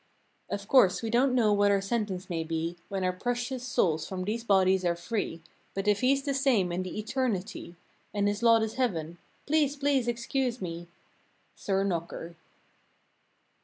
Of course we don't know what our sentence may be, When our precious souls from these bodies are free; But if he's the same in the eternity, And his lot is heaven—"Please, please excuse me"— Sir knocker.